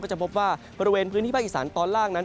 จะพบว่าบริเวณพื้นที่ภาคอีสานตอนล่างนั้น